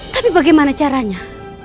tapi bagaimana caranya